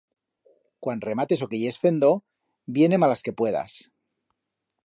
Cuan remates o que yes fendo, viene malas que puedas.